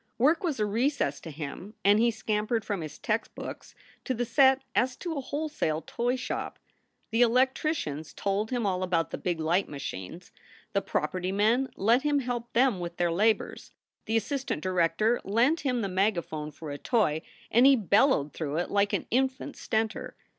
Work was recess to him, and he scampered from his textbooks to the set as to a wholesale toy shop. The electricians told him all about the big light machines. The property men let him help them with their labors. The assistant director lent him the megaphone for a toy and he bellowed through it like an infant Stentor.